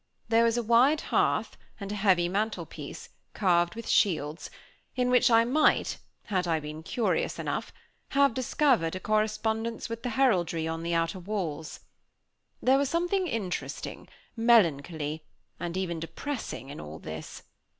There was a wide hearth, and a heavy mantelpiece, carved with shields, in which I might, had I been curious enough, have discovered a correspondence with the heraldry on the outer walls. There was something interesting, melancholy, and even depressing in all this.